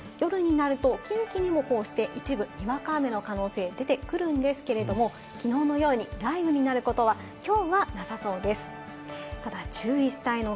夜になると近畿にも一部にわか雨の可能性が出てくるんですけれども、きのうのように雷雨になることは、きょうはなさそうです。